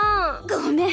ごめん。